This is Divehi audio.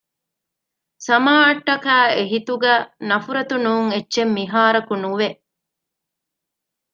ސަމާއަށްޓަކައި އެހިތުގައި ނަފުރަތު ނޫން އެއްޗެއް މިހާރަކު ނުވެ